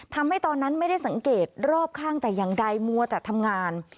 ทำให้ตอนนั้นไม่ได้สังเกตรอบข้างแต่อย่างใดมัวแต่ทำงาน